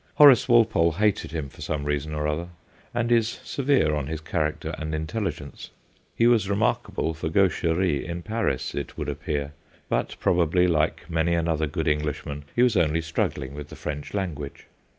Horace Walpole hated him for some reason or other, and is severe on his character and intelligence. He was remarkable for gaucherie in Paris, it would appear, but probably, like many another good Englishman, he was only struggling with the French language.